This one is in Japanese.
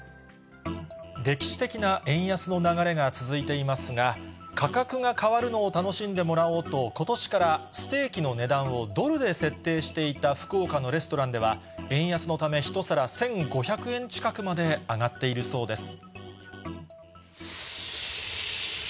歴史的な円安の流れが続いていますが、価格が変わるのを楽しんでもらおうと、ことしからステーキの値段をドルで設定していた、福岡のレストランでは、円安のため、１皿１５００円近くまで上がっているそうです。